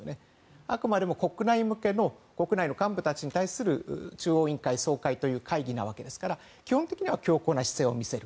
あくまでも国内向けの国内の幹部たちに対する中央委員会総会という会議なわけですから基本的は強硬な姿勢を見せる。